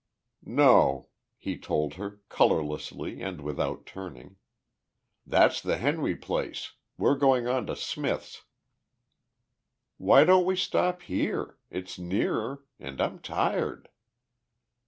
"No," he told her colourlessly and without turning. "That's the Henry place. We're going on to Smith's." "Why don't we stop here? It's nearer. And I'm tired."